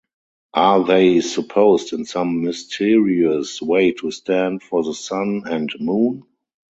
Are they supposed in some mysterious way to stand for the sun and moon?